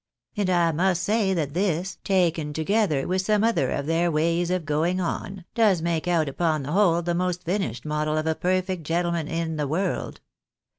And I must say that this, taken together with some other of their ways of going on, does make out upon the whole the most finished model of a perfect gentleman in the world.